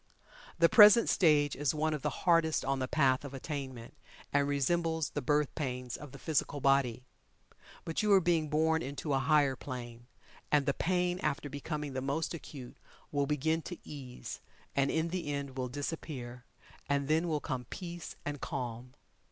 The present stage is one of the hardest on the Path of Attainment, and resembles the birth pains of the physical body. But you are being born into a higher plane, and the pain after becoming the most acute will begin to ease, and in the end will disappear, and then will come peace and calm.